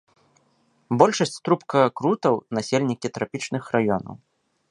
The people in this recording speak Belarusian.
Большасць трубкакрутаў насельнікі трапічных раёнаў.